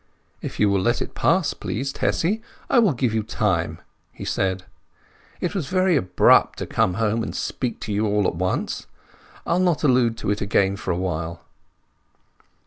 "If you will let it pass, please, Tessy, I will give you time," he said. "It was very abrupt to come home and speak to you all at once. I'll not allude to it again for a while."